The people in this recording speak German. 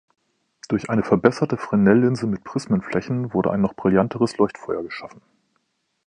Durch eine verbesserte Fresnellinse mit Prismenflächen wurde ein noch brillanteres Leuchtfeuer geschaffen.